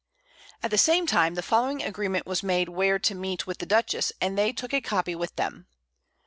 At the same time the following Agreement was made where to meet with the Dutchess, and they took a Copy with them.